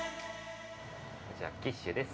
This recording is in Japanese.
こちら、キッシュです。